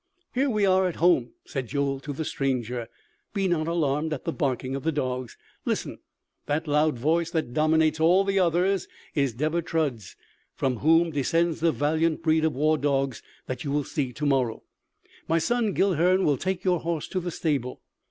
"Here we are at home!" said Joel to the stranger. "Be not alarmed at the barking of the dogs. Listen! That loud voice that dominates all the others is Deber Trud's, from whom descends the valiant breed of war dogs that you will see to morrow. My son Guilhern will take your horse to the stable.